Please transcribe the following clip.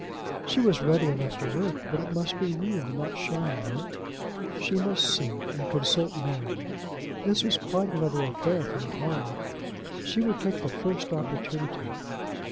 She was ready enough to work, but it must be real, not sham work. She must see and consult Mary! This was quite another affair from Tom! She would take the first opportunity.